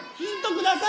ください